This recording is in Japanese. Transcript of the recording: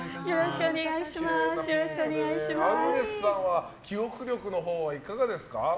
アグネスさんは記憶力のほうはいかがですか？